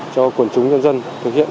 cho quần chúng nhân dân thực hiện